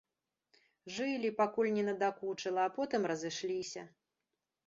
Жылі, пакуль не надакучыла, а потым разышліся.